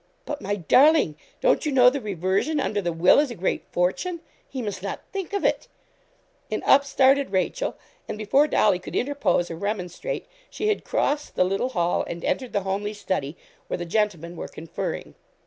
'But, my darling, don't you know the reversion under the will is a great fortune? He must not think of it;' and up started Rachel, and before Dolly could interpose or remonstrate, she had crossed the little hall, and entered the homely study, where the gentlemen were conferring.